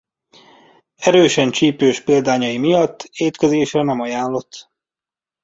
Erősen csípős példányai miatt étkezésre nem ajánlott.